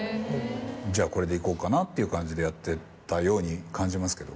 じゃあこれでいこうかなっていう感じでやってたように感じますけど。